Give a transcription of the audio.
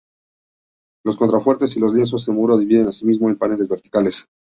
Los contrafuertes y los lienzos de muro se dividen asimismo en paneles verticales.